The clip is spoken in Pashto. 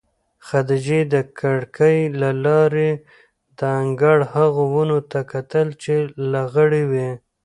خدیجې د کړکۍ له لارې د انګړ هغو ونو ته کتل چې لغړې وې.